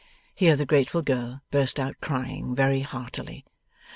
Here the grateful girl burst out crying very heartily.